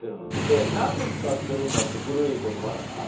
で何で使ってるんだろって古い言葉だからね。